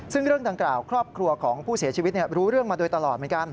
ซึ่งเรื่องดังกล่าวครอบครัวของผู้เสียชีวิตรู้เรื่องมาโดยตลอดเหมือนกัน